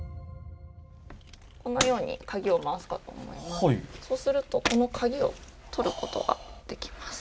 このように鍵を回すことで、そうすると、この鍵を取ることができます。